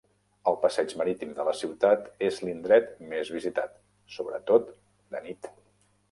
El passeig marítim de la ciutat és l'indret més visitat, sobretot de nit.